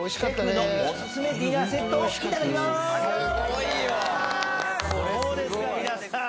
どうですか皆さん。